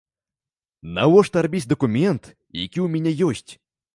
Навошта рабіць дакумент, які ў мяне ёсць?